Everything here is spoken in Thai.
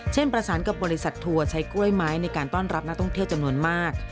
ประสานกับบริษัททัวร์ใช้กล้วยไม้ในการต้อนรับนักท่องเที่ยวจำนวนมาก